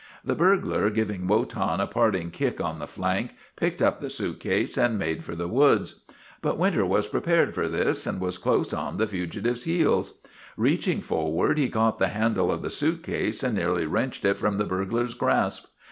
The burglar, giving Wotan a parting kick on the flank, picked up the suitcase and made for the woods. But Winter was prepared for this, and was close on the fugitive's heels. Reaching forward he caught the handle of the suitcase and nearly wrenched it from the burglar's grasp.